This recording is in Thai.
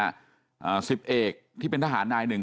อ่าสิบเอกที่เป็นทหารนายหนึ่ง